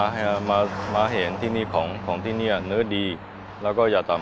pembangunan durian ekspor